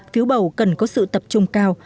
phiếu bầu cần có sự tập trung cao